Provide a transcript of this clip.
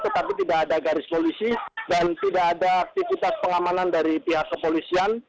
tetapi tidak ada garis polisi dan tidak ada aktivitas pengamanan dari pihak kepolisian